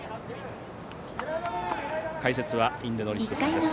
解説は印出順彦さんです。